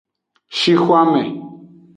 Shixwanme.